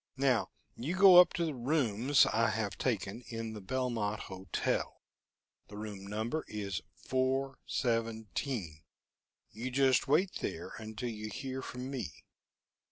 Now, you go up to the rooms I have taken in the Belmont Hotel. The room number is 417 you just wait there until you hear from me.